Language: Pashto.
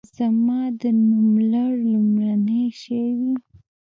زما د نوملړ لومړنی شی وي.